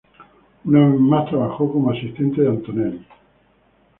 Una vez más trabajó como asistente de Antonelli.